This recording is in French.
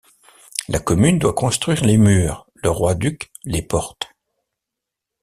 La commune doit construire les murs, le roi-duc, les portes.